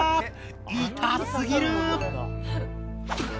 痛すぎる！